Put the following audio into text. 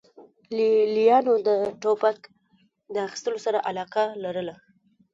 لې لیانو د ټوپک اخیستو سره علاقه لرله